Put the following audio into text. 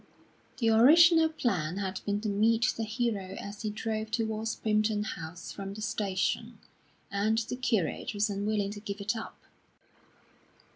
The original plan had been to meet the hero as he drove towards Primpton House from the station, and the curate was unwilling to give it up.